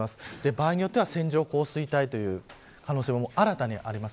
場合によっては線状降水帯という可能性も新たにあります。